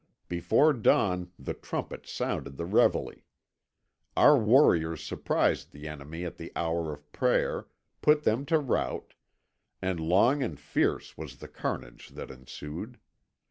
Before dawn the trumpets sounded the reveille. Our warriors surprised the enemy at the hour of prayer, put them to rout, and long and fierce was the carnage that ensued.